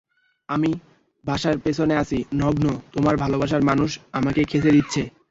আমি, বাসার পেছনে আছি, নগ্ন, তোমার ভালোবাসার মানুষ আমাকে খেচে দিচ্ছে।